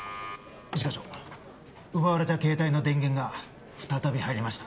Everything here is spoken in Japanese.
一課長奪われた携帯の電源が再び入りました。